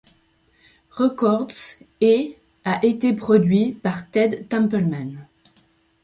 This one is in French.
Records et a été produit par Ted Templeman.